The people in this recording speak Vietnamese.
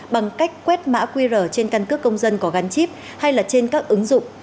bằng cách quét mã qr trên căn cước công dân có gắn chip hay là trên các ứng dụng